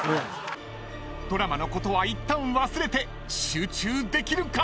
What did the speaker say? ［ドラマのことはいったん忘れて集中できるか⁉］